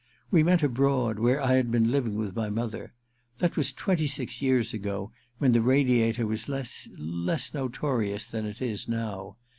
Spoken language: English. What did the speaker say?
We met abroad, where I had been living \nth my mother. That was twenty six years ago, when the Radiator was less — ^less notorious than it is now.